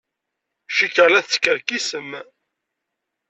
Cikkeɣ la teskerkisem.